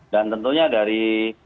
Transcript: dan tentunya dari